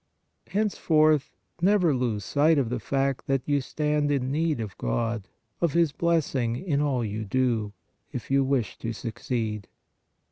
Henceforth never lose sight of the fact that you stand in need of God, of His blessing in all you do, if you wish to succeed."